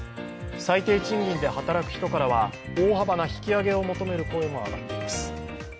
最低賃金で働く人からは大幅な引き上げを求める声も上がっています。